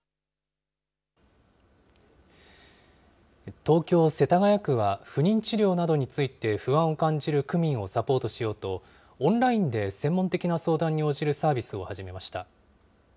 東京・世田谷区は、不妊治療などについて不安を感じる区民をサポートしようと、オンラインで専門的な相談に応じるサービスを始めました。